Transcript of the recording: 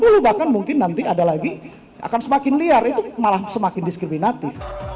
pemohon pertama bernama ryo saputro yang menyebut diri sebagai perwakilan dari aliansi sembilan puluh delapan